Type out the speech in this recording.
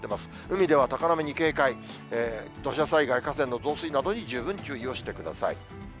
海では高波に警戒、土砂災害、河川の増水などに十分注意をしてください。